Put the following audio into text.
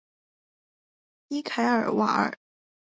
伊凯尔瓦尔。